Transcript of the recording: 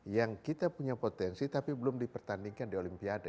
yang kita punya potensi tapi belum dipertandingkan di olimpiade